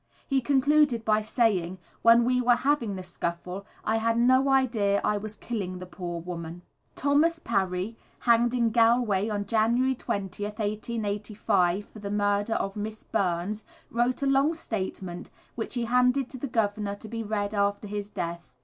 He concluded by saying: "When we were having the scuffle I had no idea I was killing the poor woman." Thomas Parry, hanged in Galway on January 20th, 1885, for the murder of Miss Burns, wrote a long statement, which he handed to the governor to be read after his death.